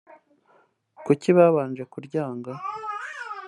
kuki babanje kuryanga